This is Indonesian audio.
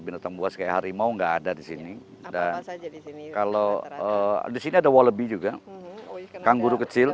binatang buah kayak harimau enggak ada di sini dan kalau di sini ada walibi juga kangguru kecil